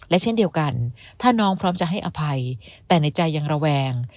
และเช่นเดียวกันถ้าน้องพร้อมจะให้อภัยแต่ในใจยังระแวง